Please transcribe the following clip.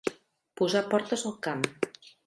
Posar portes al camp.